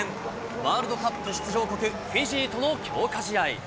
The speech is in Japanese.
ワールドカップ出場国、フィジーとの強化試合。